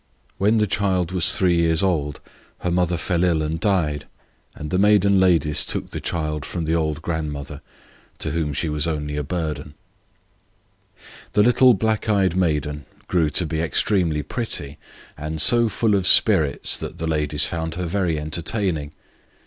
When the child was three years old, her mother fell ill and died, and the maiden ladies took the child from her old grandmother, to whom she was nothing but a burden. The little black eyed maiden grew to be extremely pretty, and so full of spirits that the ladies found her very entertaining.